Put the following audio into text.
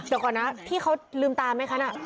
เดี๋ยวก่อนนะพี่เขาลืมตาไหมคะน่ะ